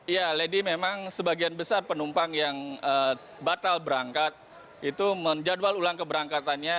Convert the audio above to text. ya lady memang sebagian besar penumpang yang batal berangkat itu menjadwal ulang keberangkatannya